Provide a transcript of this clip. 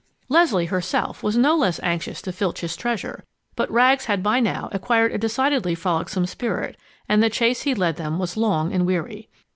Leslie herself was no less anxious to filch his treasure, but Rags had by now acquired a decidedly frolicsome spirit, and the chase he led them was long and weary.